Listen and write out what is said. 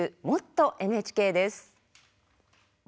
「もっとＮＨＫ」です。